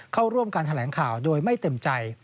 เข้าร่วมการแถลงข่าวโดยไม่เต็มใจ